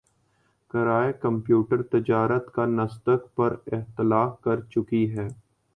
کَرئے computer تجارت کا نسدق پر اطلاق کر چکی ہے